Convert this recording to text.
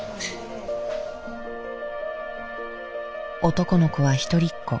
男の子は一人っ子。